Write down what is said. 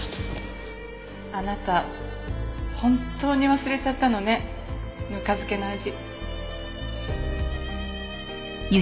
あなた本当に忘れちゃったのねぬか漬けの味。